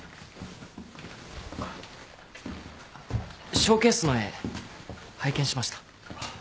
ショーケースの絵拝見しました。